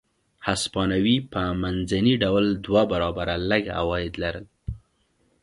هسپانوي په منځني ډول دوه برابره لږ عواید لرل.